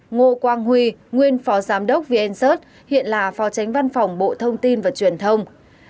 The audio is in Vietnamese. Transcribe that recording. hai ngô quang huy nguyên phó giám đốc vnz hiện là phó tránh văn phòng bộ thông tin và truyền thông